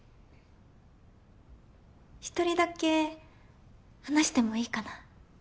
１人だけ話してもいいかな？